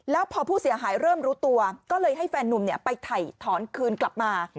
แล้วพอผู้เสียหายเริ่มรู้ตัวก็เลยให้แฟนนุ่มไปถ่ายถอนคืนกลับมา